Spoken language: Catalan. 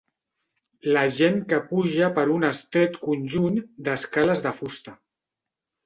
La gent que puja per un estret conjunt d'escales de fusta.